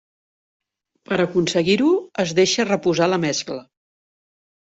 Per aconseguir-ho es deixa reposar la mescla.